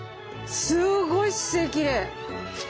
すごい姿勢きれい！